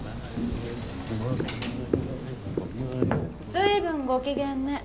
随分ご機嫌ね。